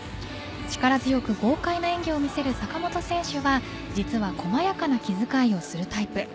力強く豪快な演技を見せる坂本選手は実は細やかな気づかいをするタイプ。